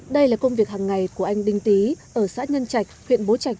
đây là công việc hàng ngày của anh đinh tý ở xã nhân trạch huyện bố trạch